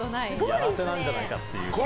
やらせなんじゃないかっていう。